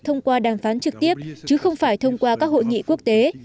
thông qua đàm phán trực tiếp chứ không phải thông qua các hội nghị quốc tế